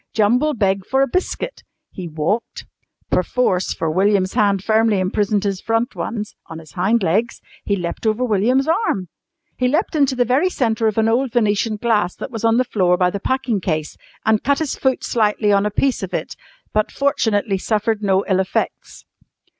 Jumble begged for a biscuit, he walked (perforce, for William's hand firmly imprisoned his front ones) on his hind legs, he leapt over William's arm. He leapt into the very centre of an old Venetian glass that was on the floor by the packing case and cut his foot slightly on a piece of it, but fortunately suffered no ill effects.